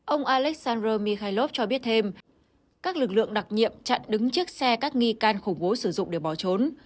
ông alexander mikhaillov cho biết thêm các lực lượng đặc nhiệm chặn đứng chiếc xe các nghi can khủng bố sử dụng để bỏ trốn